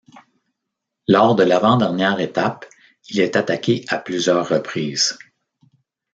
Lors de l'avant-dernière étape, il est attaqué à plusieurs reprises.